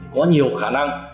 có nhiều khả năng